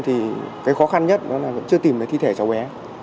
thì cái khó khăn nhất đó là vẫn chưa tìm được thi thể cháu bé